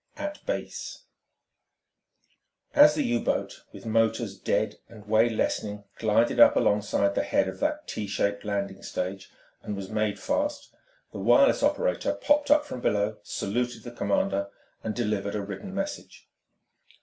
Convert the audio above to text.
X AT BASE As the U boat, with motors dead and way lessening, glided up alongside the head of that T shaped landing stage and was made fast, the wireless operator popped up from below, saluted the commander, and delivered a written message.